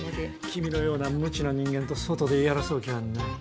君のような無知な人間と外で言い争う気はない。